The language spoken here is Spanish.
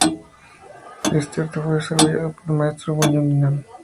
Este arte fue desarrollado por el maestro Myung Jae Nam.